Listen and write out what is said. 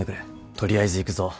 取りあえず行くぞ。